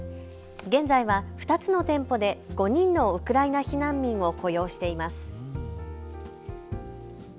現在は２つの店舗で５人のウクライナ避難民を雇用しています。